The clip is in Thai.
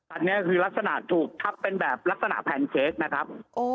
อันนี้คือลักษณะถูกคับแบบแพนเค้กนะครับ